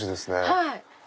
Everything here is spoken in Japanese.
はい！